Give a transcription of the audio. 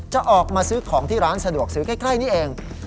จะออกมาซื้อของที่ร้านสะดวกซื้อใกล้นี่เอง